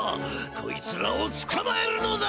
こいつらをつかまえるのだ！